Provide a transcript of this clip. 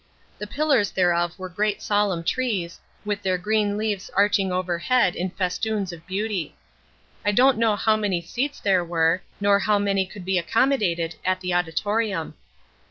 The pillars thereof were great solemn trees, with their green leaves arching overhead in festoons of beauty. I don't know how many seats there were, nor how many could be accommodated at the auditorium.